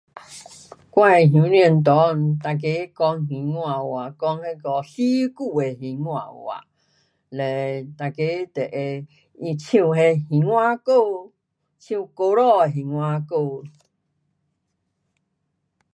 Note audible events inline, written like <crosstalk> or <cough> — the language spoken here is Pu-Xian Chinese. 我的村里大家都讲兴华语讲 <unintelligible> 兴华语大家都唱兴华歌唱古早的兴华歌